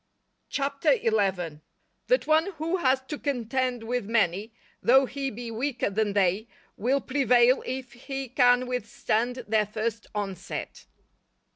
CHAPTER XI.—_That one who has to contend with many, though he be weaker than they, will prevail if he can withstand their first onset.